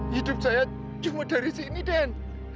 hidup saya cuma dari sini den